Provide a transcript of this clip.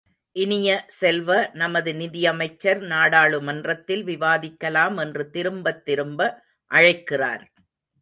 இனிய செல்வ, நமது நிதியமைச்சர் நாடாளுமன்றத்தில் விவாதிக்கலாம் என்று திரும்பத் திரும்ப அழைக்கிறார்.